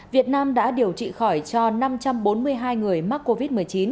việt nam đã điều trị khỏi cho năm trăm bốn mươi hai người mắc covid một mươi chín